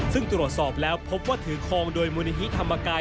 ซึ่งตรวจสอบแล้วพบว่าถือคลองโดยมูลนิธิธรรมกาย